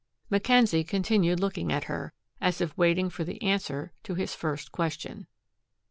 Mackenzie continued looking at her, as if waiting for the answer to his first question.